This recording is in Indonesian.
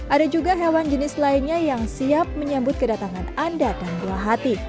ada juga hewan jenis lainnya yang siap menyambut kedatangan anda dan buah hati